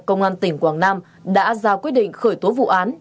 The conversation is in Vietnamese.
công an tỉnh quảng nam đã ra quyết định khởi tố vụ án